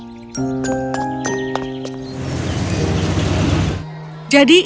jadi ini adalah bensilnya